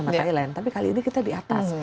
matahari land tapi kali ini kita di atas